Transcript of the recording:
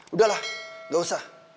udahlah gak usah